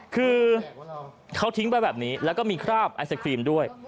คือเขาทิ้งไปแบบนี้แล้วก็มีคราบไอศครีมด้วย